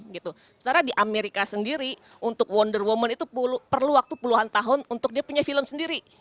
karena di amerika sendiri untuk wonder woman itu perlu waktu puluhan tahun untuk dia punya film sendiri